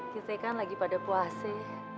kita kan lagi pada puasa